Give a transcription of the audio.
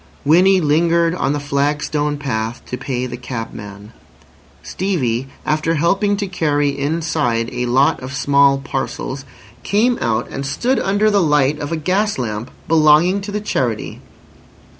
Winnie lingered on the flagstone path to pay the cabman. Stevie, after helping to carry inside a lot of small parcels, came out and stood under the light of a gas lamp belonging to the Charity.